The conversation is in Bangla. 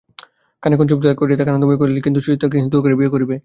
খানিকক্ষণ চুপ করিয়া থাকিয়া আনন্দময়ী কহিলেন, কিন্তু সুচরিতা কি হিন্দুর ঘরে বিয়ে করবে?